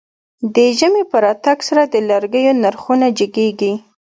د ژمی په راتګ سره د لرګيو نرخونه جګېږي.